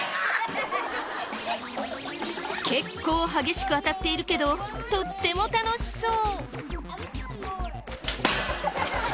結構激しく当たっているけどとっても楽しそう。